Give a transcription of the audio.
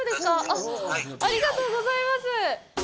ありがとうございます！